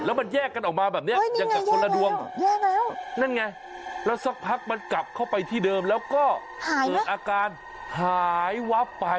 แล้วมันแยกกันออกมาแบบนี้อย่างกับคนละดวงแล้วนั่นไงแล้วสักพักมันกลับเข้าไปที่เดิมแล้วก็เกิดอาการหายวับไป